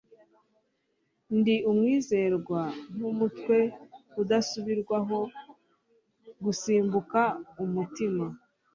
ndi umwizerwa nkumutwe udasubirwaho, gusimbuka umutima